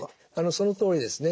そのとおりですね。